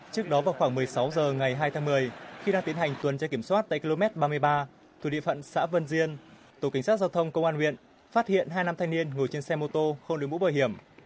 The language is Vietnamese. trước đó vào khoảng một mươi sáu h ngày hai tháng một mươi khi đang tiến hành tuần chơi kiểm soát tại km ba mươi ba thủ địa phận xã vân diên tổ kính sát giao thông công an huyện phát hiện hai nam thanh niên ngồi trên xe mô tô không đứng bũ bởi hiểm